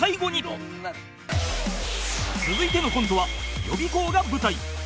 続いてのコントは予備校が舞台